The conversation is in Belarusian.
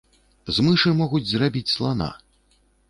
З мышы могуць зрабіць слана.